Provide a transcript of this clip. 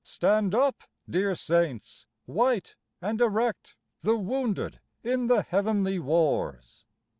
Stand up, dear Saints, white and erect, The wounded in the heavenly wars.